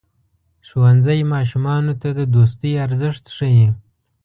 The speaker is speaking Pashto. ښوونځی ماشومانو ته د دوستۍ ارزښت ښيي.